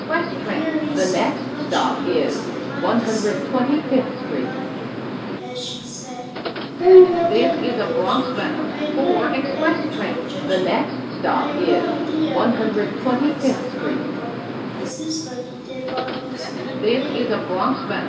The Canary seemed much amused and laughed a silvery ripple of laughter as she said: "Very well done, my good Jinjur; I admire your energy and judgment. But I had no idea a monkey could look so comical as this monkey did while he was being bathed."